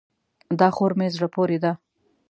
دا خور مې زړه پورې ده.